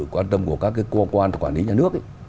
quan tâm của các cơ quan quản lý nhà nước